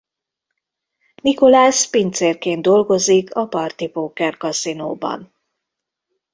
Nicolás pincérként dolgozik a Party Poker kaszinóban.